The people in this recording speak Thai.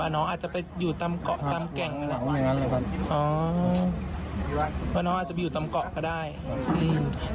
ว่าน้องอาจจะไปอยู่ตามเกาะตามแก่งอ๋อว่าน้องอาจจะไปอยู่ตามเกาะก็ได้อืม